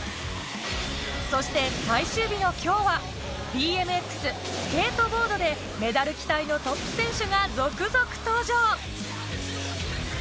そして最終日の今日はＢＭＸ、スケートボードでメダル期待のトップ選手が続々、登場。